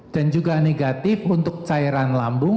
dan juga negatif untuk cairan lambung